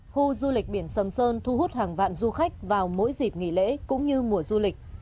khu du lịch biển sầm sơn thu hút hàng vạn du khách vào mỗi dịp nghỉ lễ cũng như mùa du lịch